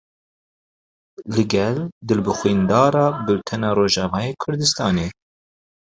Li gel Dilbixwîn Dara Bultena Rojavayê Kurdistanê.